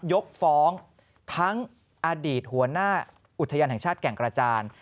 ยกฟ้องทั้งอดีตหัวหน้าอุทยานแห่งชาติแก่งกระจาน